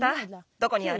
どこにある？